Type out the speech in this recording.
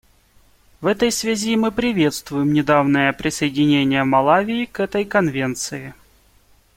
В этой связи мы приветствуем недавнее присоединение Малави к этой Конвенции.